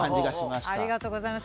ありがとうございます。